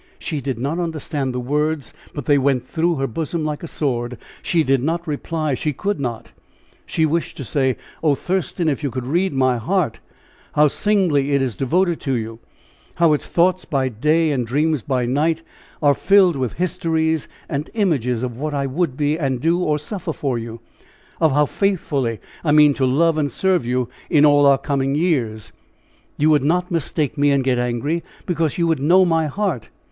She did not understand the words, but they went through her bosom like a sword. She did not reply she could not. She wished to say: "Oh, Thurston, if you could read my heart how singly it is devoted to you how its thoughts by day, and dreams by night are filled with histories and images of what I would be, and do or suffer for you of how faithfully I mean to love and serve you in all our coming years you would not mistake me, and get angry, because you would know my heart."